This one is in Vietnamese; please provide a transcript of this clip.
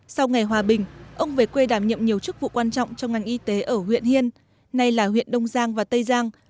sau ngày hòa bình ông về quê đảm nhiệm nhiều chức vụ quan trọng trong ngành y tế ở huyện hiên nay là huyện đông giang và tây giang